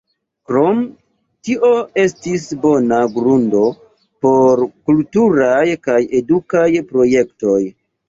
Krom tio estis bona grundo por kulturaj kaj edukaj projektoj.